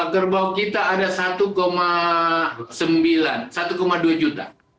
gerbau kita ada satu dua juta